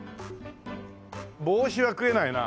帽子は食えないなあ。